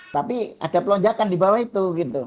tapi ada pelonjakan di bawah itu gitu